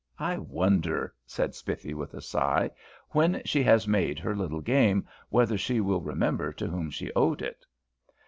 I wonder," said Spiffy, with a sigh, "when she has made her little game, whether she will remember to whom she owed it?"